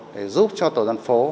để giúp cho tổ dân phố